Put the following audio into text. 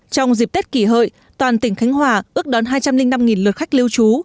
trong dịp tết kỷ hợi toàn tỉnh khánh hòa ước đón hai trăm linh năm lượt khách lưu trú